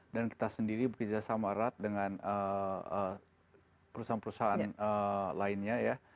dan kita sendiri berkisah sama rat dengan perusahaan perusahaan lainnya ya